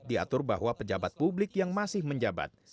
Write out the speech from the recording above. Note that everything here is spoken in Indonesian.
diatur bahwa pejabat publik yang masih menjabat